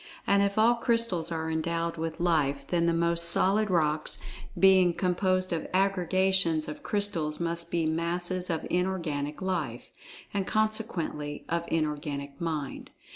And if all crystals are endowed with Life, then the most solid rocks, being composed of aggregations of crystals must be masses of Inorganic Life—and consequently, of Inorganic Mind.